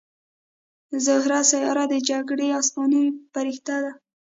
زهره سیاره د جګړې اسماني پرښته وه